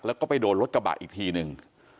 แล้วก็ไปโดนรถกระบะอีกทีหนึ่ง